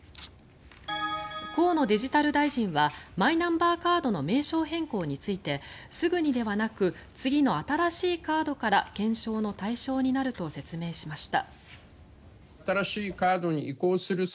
河野デジタル大臣はマイナンバーカードの名称変更についてすぐにではなく次の新しいカードから検討の対象になると説明しました。